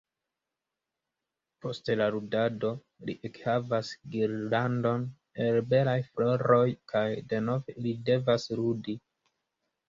Post la ludado li ekhavas girlandon el belaj floroj kaj denove li devas ludi.